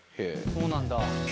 「そうなんだ」